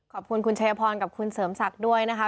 ขอบคุณคุณชัยพรกับคุณเสริมศักดิ์ด้วยนะคะ